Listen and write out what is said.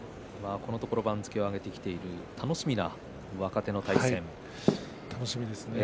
このところ番付を上げてきている楽しみな若手の対戦です。